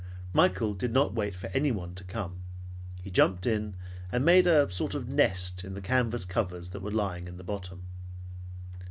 Michael did not wait for anyone to come. He jumped in, and made a sort of nest in the canvas covers that were lying in the bottom.